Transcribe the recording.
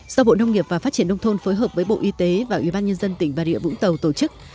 do bộ nông nghiệp và phát triển đông thôn phối hợp với bộ y tế và ubnd tỉnh bà rịa vũng tàu tổ chức